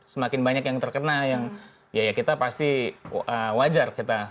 semakin banyak yang terkena yang ya kita pasti wajar kita